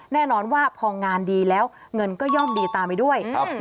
แน่นอนว่าพองานดีแล้วเงินก็ย่อมดีตามไปด้วย